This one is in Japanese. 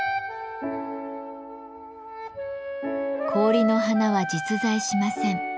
氷の花は実在しません。